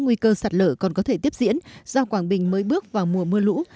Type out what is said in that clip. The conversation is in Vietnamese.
nguy cơ sạt lở còn có thể tiếp diễn do quảng bình mới bước vào mùa mưa lũ